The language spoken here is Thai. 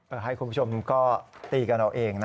ให้คุณผู้ชมก็ตีกันเอาเองนะ